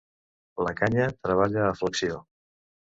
La canya treballa a flexió.